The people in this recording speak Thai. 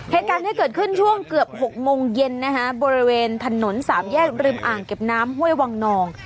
เหตุการณ์นี้เกิดขึ้นช่วงเกือบ๖โมงเย็นนะคะบริเวณถนนสามแยกริมอ่างเก็บน้ำห้วยวังนอง